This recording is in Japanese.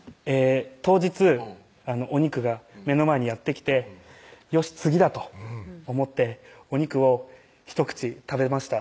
当日お肉が目の前にやって来てよし次だと思ってお肉をひと口食べました